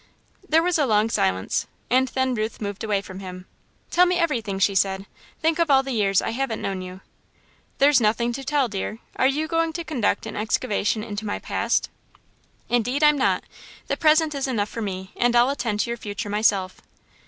There was a long silence, and then Ruth moved away from him. "Tell me about everything," she said. "Think of all the years I haven't known you!" "There's nothing to tell, dear. Are you going to conduct an excavation into my 'past?'" "Indeed, I'm not! The present is enough for me, and I'll attend to your future myself."